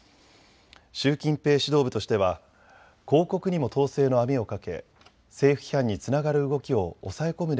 習近平指導部としては広告にも統制の網をかけ政府批判につながる動きを抑え込む